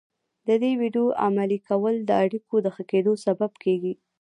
د دې ويډيو عملي کول د اړيکو د ښه کېدو سبب کېږي.